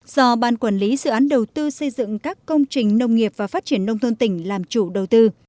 do ban quản lý dự án đầu tư xây dựng các công trình nông nghiệp và phát triển nông thôn tỉnh làm chủ đầu tư